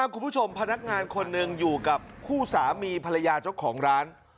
พนักงานคนหนึ่งอยู่กับคู่สามีภรรยาเจ้าของร้าน